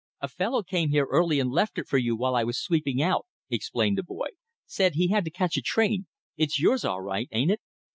"A fellow came here early and left it for you while I was sweeping out," explained the boy. "Said he had to catch a train. It's yours all right, ain't it?"